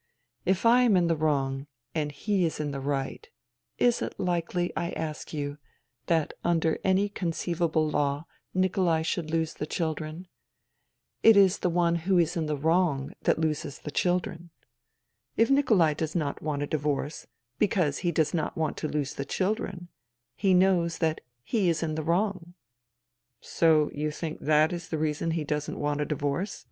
If I am in the wrong and he is in the right, is it likely, I ask you, that under any conceivable law Nikolai should lose the children ? It is the one who is in the wrong that loses the children. If Nikolai does not want a divorce because he does not want to lose the children, he knows that he is in the wrong.'* " So you think that is the reason he doesn't want a divorce